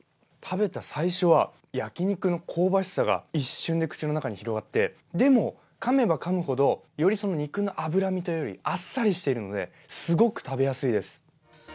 食べた最初は、焼き肉の香ばしさが一瞬で口の中に広がってでも、かめばかむほど、より肉の脂身というよりあっさりしているのですごく食べやすいです。